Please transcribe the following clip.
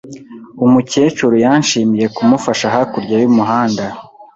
Umukecuru yanshimiye kumufasha hakurya y'umuhanda.